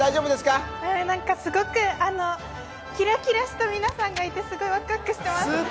すごくキラキラした皆さんがいて、すごいワクワクしてます。